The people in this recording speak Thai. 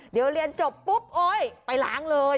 เดี๋ยวเรียนจบปุ๊บโอ๊ยไปล้างเลย